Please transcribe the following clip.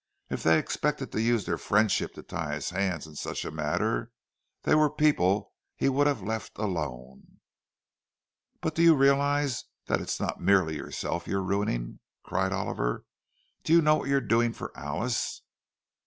If they expected to use their friendship to tie his hands in such a matter, they were people he would have left alone. "But do you realize that it's not merely yourself you're ruining?" cried Oliver. "Do you know what you're doing to Alice?"